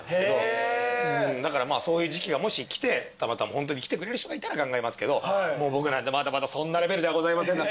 だからまあそういう時期がもし来てたまたま来てくれる人がいたら考えますけど僕なんてまだまだそんなレベルではございません。